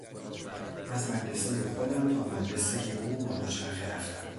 از مدرسه خودم تا مدرسهٔ او با دوچرخه رفتم